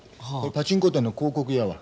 パチンコ店の広告やわ。